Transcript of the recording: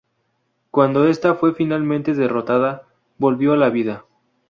Cuando esta fue finalmente fue derrotada, volvió a la vida.